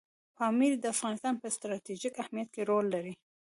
پامیر د افغانستان په ستراتیژیک اهمیت کې رول لري.